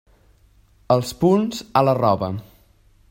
Els punts, a la roba.